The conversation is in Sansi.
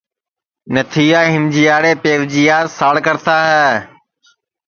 نتھیا ہیمجیاڑے پیوجیاس ساڑ کرتا ہے